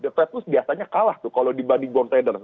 the fed tuh biasanya kalah tuh kalau dibanding bond trader